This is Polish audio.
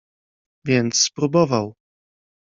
Więc spróbował.